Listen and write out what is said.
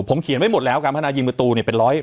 ผมเขียนไว้หมดแล้วการพัฒนายิงประตูเนี่ยเป็น๑๐